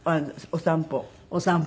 お散歩。